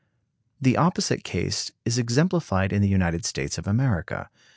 The opposite case is exemplified in the United States of America.